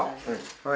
はい。